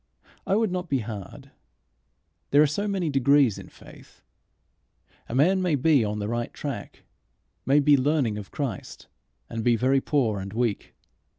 I would not be hard. There are so many degrees in faith! A man may be on the right track, may be learning of Christ, and be very poor and weak.